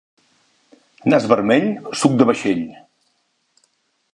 Nas vermell, suc de vaixell.